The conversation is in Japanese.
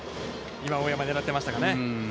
今、大山は狙ってましたか。